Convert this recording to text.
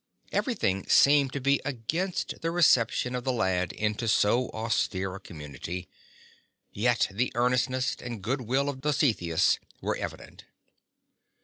Everything seemed to be against the reception of the lad into so austere a com munity : yet the earnestness and good will of Dositheus were evident.